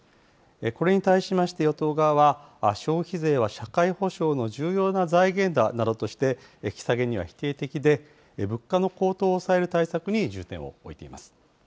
これに対しまして与党側は、消費税は社会保障の重要な財源だなどとして、引き下げには否定的で、物価の高騰を抑える対策に重点を置いています。